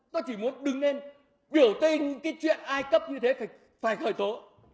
tôi chỉ muốn đứng lên biểu tình cái chuyện ai cấp như thế phải khởi tố